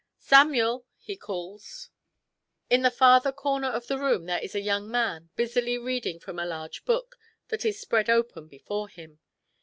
" Samuel !" he calls. In the farther corner of the room there is a young man busily reading from a large book that is spread open before him.